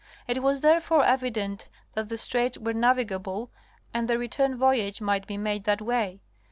It was therefore evident that the straits were navigable and the return voyage might be made that way.